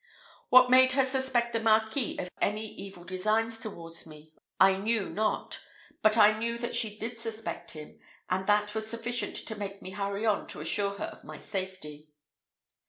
What made her suspect the Marquis of any evil designs towards me I knew not, but I knew that she did suspect him, and that was sufficient to make me hurry on to assure her of my safety.